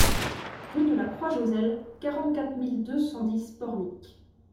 Rue de la Croix Joselle, quarante-quatre mille deux cent dix Pornic